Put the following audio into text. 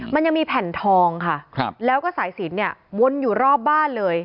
มันยังมีแผ่นทองค่ะแล้วก็สายสินเนี่ยวนอยู่รอบบ้านเลย